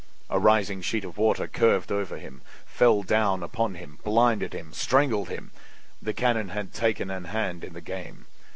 A rising sheet of water curved over him, fell down upon him, blinded him, strangled him! The cannon had taken an hand in the game.